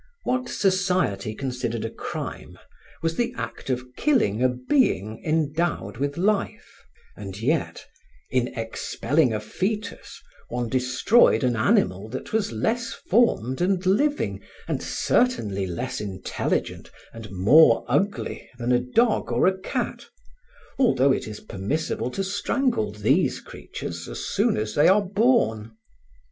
What Society considered a crime was the act of killing a being endowed with life; and yet, in expelling a foetus, one destroyed an animal that was less formed and living and certainly less intelligent and more ugly than a dog or a cat, although it is permissible to strangle these creatures as soon as they are born.